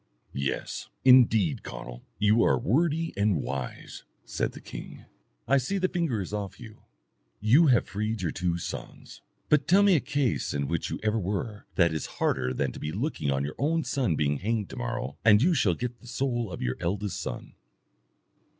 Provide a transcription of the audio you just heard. "Yes, indeed, Conall, you are wordy and wise," said the king. "I see the finger is off you. You have freed your two sons, but tell me a case in which you ever were that is harder than to be looking on your son being hanged to morrow, and you shall get the soul of your eldest son."